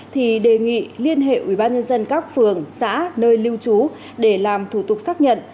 thì đề nghị liên hệ ubnd các phường xã nơi lưu trú để làm thủ tục xác nhận